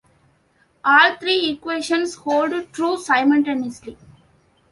All three equations hold true simultaneously.